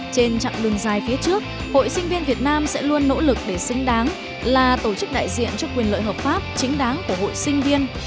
trên chặng đường dài phía trước hội sinh viên việt nam sẽ luôn nỗ lực để xứng đáng là tổ chức đại diện cho quyền lợi hợp pháp chính đáng của hội sinh viên